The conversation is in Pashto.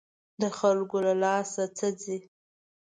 د خلکو له لاسه څه ځي.